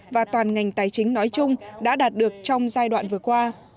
và toàn ngành tài chính nói chung đã đạt được trong giai đoạn vừa qua